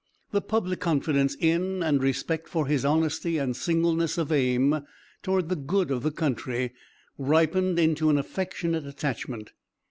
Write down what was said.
The public confidence in, and respect for his honesty and singleness of aim toward the good of the country ripened into an affectionate attachment.